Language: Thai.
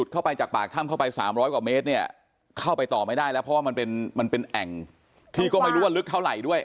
เข้าไปจากปากถ้ำเข้าไป๓๐๐กว่าเมตรเนี่ยเข้าไปต่อไม่ได้แล้วเพราะว่ามันเป็นมันเป็นแอ่งที่ก็ไม่รู้ว่าลึกเท่าไหร่ด้วย